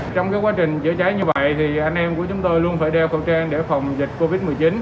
trong quá trình chữa cháy như vậy anh em của chúng tôi luôn phải đeo khẩu trang để phòng dịch covid một mươi chín